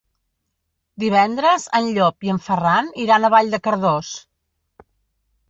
Divendres en Llop i en Ferran iran a Vall de Cardós.